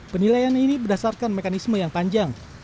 penilaian ini berdasarkan mekanisme yang panjang